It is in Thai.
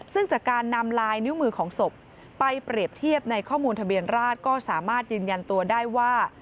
ซึ่งจากการนำลายนิ้วมือของศพไปเปรียบเทียบในข้อมูลทะเบียนราชก็สามารถยืนยันตัวได้ว่า